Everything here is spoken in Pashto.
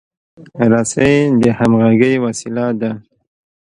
رسۍ د همغږۍ وسیله ده.